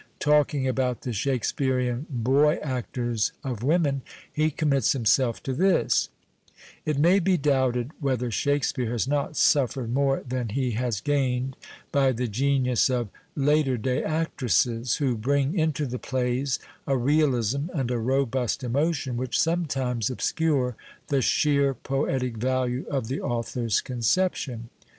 Talking abotit tiie Siiakespearean boy aetors of women, he commits himself to this :—" It may be doubted whether Shakesj)eare has not sufhrcd more than he has gained by the genius of later day actresses, who bring into the plays a realism and a robust emotion which sometimes obscure the sheer })oetie value of the author's conception.